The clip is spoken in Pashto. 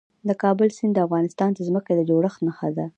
د کابل سیند د افغانستان د ځمکې د جوړښت نښه ده.